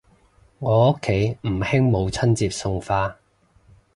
我屋企唔興母親節送花